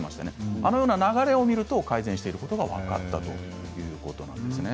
あのような流れを見ると改善していることが分かったということなんですね。